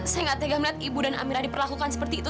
saya nggak tega melihat ibu dan amira diperlakukan seperti itu